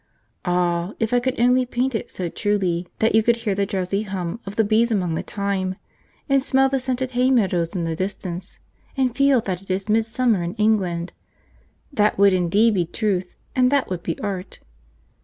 Ah, if I could only paint it so truly that you could hear the drowsy hum of the bees among the thyme, and smell the scented hay meadows in the distance, and feel that it is midsummer in England! That would indeed be truth, and that would be art.